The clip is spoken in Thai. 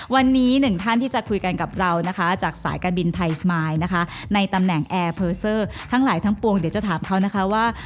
วันนี้หนึ่งท่านที่จะคุยกันกับเรานะคะจากสายการบินไทยสมายนะคะในตำแหน่งแอร์เพอร์เซอร์ทั้งหลายทั้งปวงเดี๋ยวจะถามเขานะคะว่า